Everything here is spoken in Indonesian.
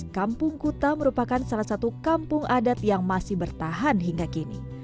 kampung kuta merupakan salah satu kampung adat yang masih bertahan hingga kini